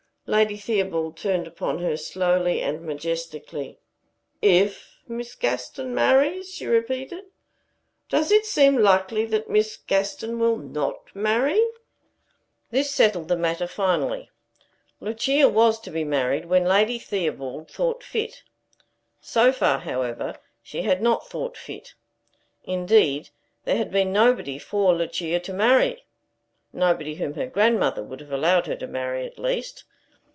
Lady Theobald turned upon her, slowly and majestically. "If Miss Gaston marries," she repeated. "Does it seem likely that Miss Gaston will not marry?" This settled the matter finally. Lucia was to be married when Lady Theobald thought fit. So far, however, she had not thought fit: indeed, there had been nobody for Lucia to marry, nobody whom her grandmother would have allowed her to marry, at least.